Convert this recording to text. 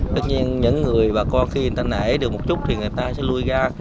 tất nhiên những người bà con khi người ta nảy được một chút thì người ta sẽ lui ra